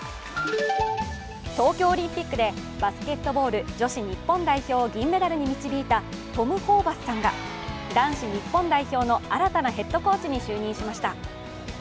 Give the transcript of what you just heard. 東京オリンピックでバスケットボール女子日本代表を銀メダルに導いたトム・ホーバスさんが男子日本代表の新たなヘッドコーチに就任しました。